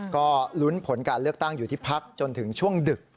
ก็ลุ้นผลการเลือกตั้งอยู่ที่พักจนถึงช่วงดึก